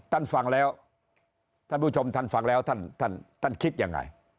ท่านฟังแล้วท่านคิดยังไง